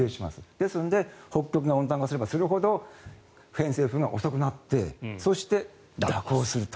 ですので北極が温暖化すればするほど偏西風が遅くなってそして、蛇行すると。